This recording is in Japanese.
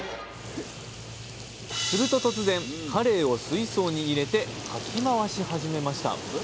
すると突然カレイを水槽に入れてかき回し始めました！